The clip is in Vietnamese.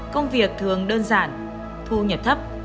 công việc thường đơn giản thu nhập thấp